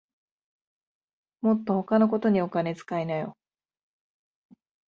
もっと他のことにお金つかいなよ